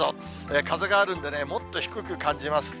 風があるんでね、もっと低く感じます。